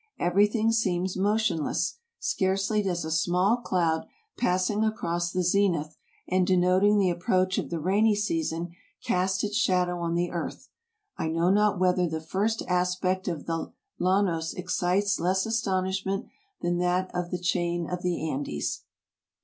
Everything seems motion less; scarcely does a small cloud, passing across the zenith, and denoting the approach of the rainy season, cast its shadow on the earth. I know not whether the first aspect of the llanos excites less astonishment than that of the chaic of the Andes.